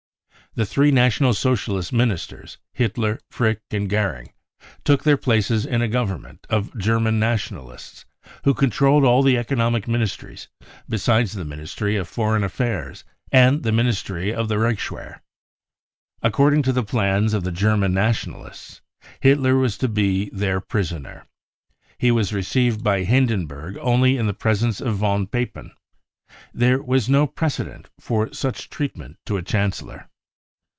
The three 'National Socialist Ministers Hitler, Frick and Goering took their places in a Government, of German Nationalists, who controlled all the economic ministries besides the Ministry of Foreign Adairs and the Ministry of the Reichswehr. According to the plans of the German Nationalists, Hitler was to be their prisoner. He was received by Hindenburg only in the presence of von Fapen. There was no precedent for such treatment* to a Chancellor.